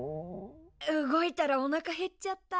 動いたらおなか減っちゃった。